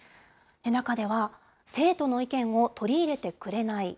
中では、生徒の意見を取り入れてくれない。